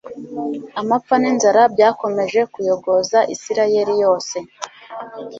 Amapfa ninzara byakomeje kuyogoza Isirayeli yose